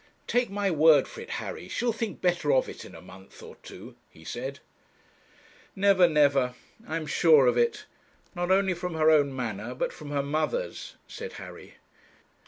'Take my word for it, Harry, she'll think better of it in a month or two,' he said. 'Never never; I am sure of it. Not only from her own manner, but from her mother's,' said Harry.